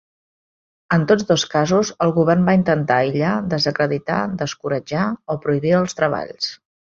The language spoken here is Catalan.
En tots dos casos, el govern va intentar aïllar, desacreditar, descoratjar o prohibir els treballs.